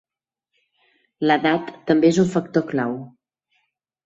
L'edat també és un factor clau.